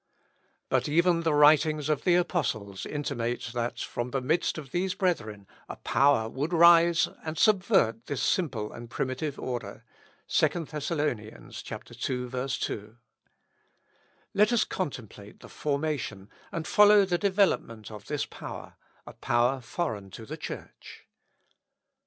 But even the writings of the apostles intimate, that from the midst of these brethren a power would rise and subvert this simple and primitive order. (2 Thess., ii, 2.) Let us contemplate the formation, and follow the development of this power a power foreign to the Church.